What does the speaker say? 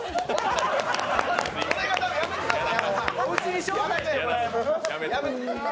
やめてください。